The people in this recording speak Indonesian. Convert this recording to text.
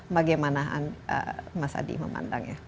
bagaimana mas adi memandangnya